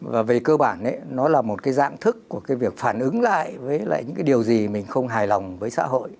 và về cơ bản nó là một cái dạng thức của việc phản ứng lại với những điều gì mình không hài lòng với xã hội